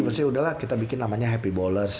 maksudnya udahlah kita bikin namanya happy bollers